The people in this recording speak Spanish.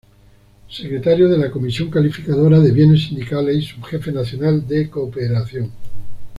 Secretario de la Comisión Calificadora de Bienes Sindicales, y subjefe nacional de Cooperación.